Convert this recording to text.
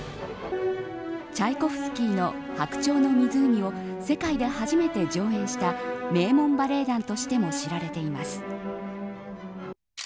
チャイコフスキーの白鳥の湖を世界で初めて上演した名門バレエ団としても知られています。